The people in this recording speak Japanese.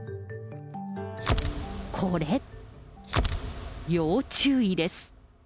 これ、要注意です。